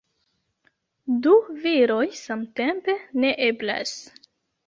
Du viroj samtempe, neeblas